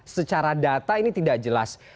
secara data ini tidak jelas